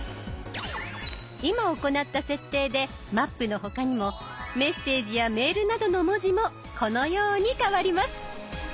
今行った設定で「マップ」の他にもメッセージやメールなどの文字もこのように変わります。